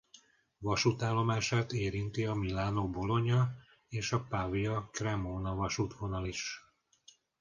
Vasútállomását érinti a Milánó–Bologna- és a Pavia–Cremona-vasútvonal is.